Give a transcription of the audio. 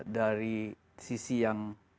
dari sisi yang